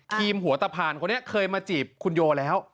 หัวตะพานคนนี้เคยมาจีบคุณโยแล้ว